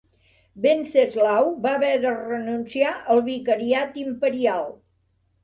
Venceslau va haver de renunciar al vicariat imperial.